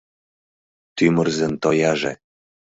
Тӱмырзын тояже